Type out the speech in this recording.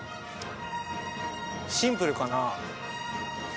シンプルかな？